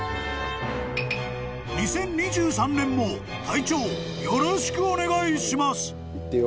［２０２３年も隊長よろしくお願いします］